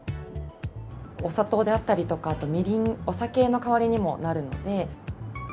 お砂糖であったりとか、あとみりん、お酒の代わりにもなるので。